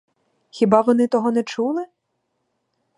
Хіба вони того не чули?